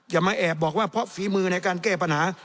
อย่ามาแอบบอกว่าเพราะฝีมือในการแก้ปัญหา